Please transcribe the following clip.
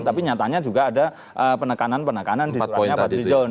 tapi nyatanya juga ada penekanan penekanan di suratnya pak fadli john